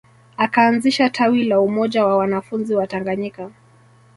Akaanzisha tawi la Umoja wa wanafunzi Watanganyika